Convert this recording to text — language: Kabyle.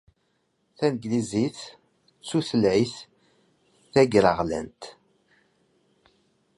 Taneglizit d tutlayt tagraɣlant.